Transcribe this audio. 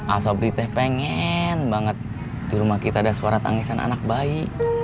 asabri teh pengen banget di rumah kita ada suara tangisan anak bayi